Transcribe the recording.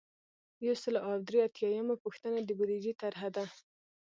یو سل او درې اتیایمه پوښتنه د بودیجې طرحه ده.